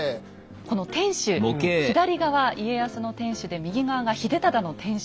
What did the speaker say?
この天守左側家康の天守で右側が秀忠の天守。